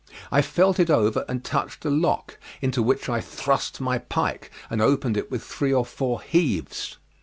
I felt it over and touched a lock, into which I thrust my pike, and opened it with three or four heaves.